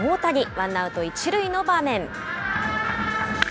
ワンアウト１塁の場面。